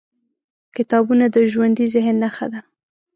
کتابونه د ژوندي ذهن نښه ده.